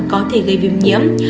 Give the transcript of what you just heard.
có thể gây viêm nhiễm